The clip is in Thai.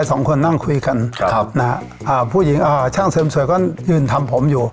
สองคนนั่งคุยกันครับนะฮะอ่าผู้หญิงอ่าช่างเสริมสวยก็ยืนทำผมอยู่